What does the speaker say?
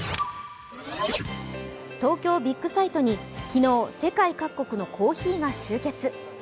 東京ビッグサイトに昨日、世界各国のコーヒーが集結。